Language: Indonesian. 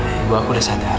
ibu aku udah sadar